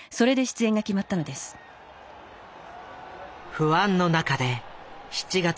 不安の中で７月１３日